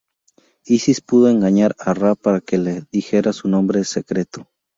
Isis pudo engañar a Ra para que le dijera su nombre secreto.